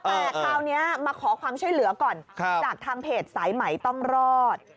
แต่คราวนี้มาขอความช่วยเหลือก่อนจากทางเพจสายใหม่ต้องรอด